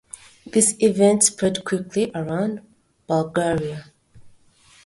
This event spread quickly around Bulgaria.